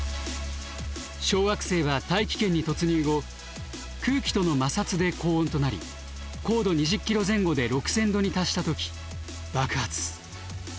小惑星は大気圏に突入後空気との摩擦で高温となり高度２０キロ前後で６，０００度に達した時爆発。